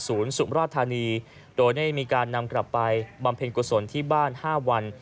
สุมราชธานีโดยได้มีการนำกลับไปบำเพ็ญกุศลที่บ้าน๕วัน